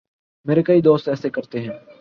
میرے کئی دوست ایسے کرتے ہیں۔